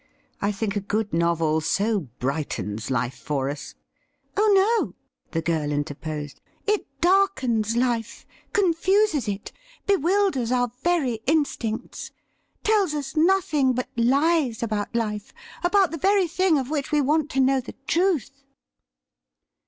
I think a good novel so brightens life for us.' ' Oh no,' the girl interposed ;' it darkens life, confuses it, bewilders our very instincts ; tells us nothing but lies about life, about the very thing of which we want to know the truth.'